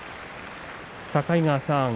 境川さん